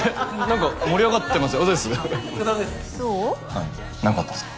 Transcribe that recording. はい何かあったんすか？